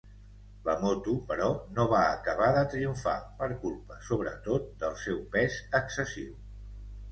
La moto, però, no va acabar de triomfar per culpa, sobretot, del seu pes excessiu.